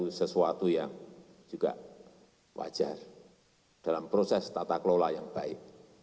itu sesuatu yang juga wajar dalam proses tata kelola yang baik